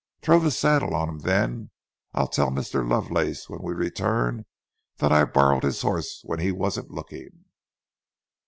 "Throw the saddle on him then—I'll tell Mr. Lovelace when we return that I borrowed his horse when he wasn't looking."